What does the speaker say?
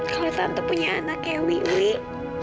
kalau tante punya anak kayak wuih